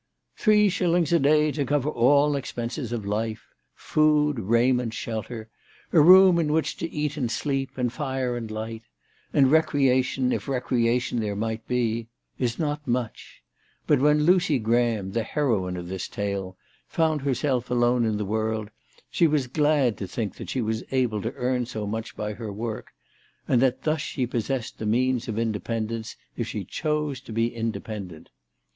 shillings a day to cover all expenses of life, * food, raiment, shelter, a room in which to eat and sleep, and fire and light, and recreation if recreation there might be, is not much ; but when Lucy Gra ham, the heroine of this tale, found herself alone in the world, she was glad to think that she was able to earn so much by her work, and that thus she possessed the means of independence if she chose to be independent.